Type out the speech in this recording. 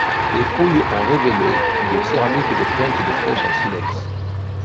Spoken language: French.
Les fouilles ont révélé des céramiques et des pointes de flèche en silex.